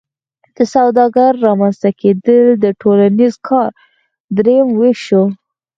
د سوداګر رامنځته کیدل د ټولنیز کار دریم ویش شو.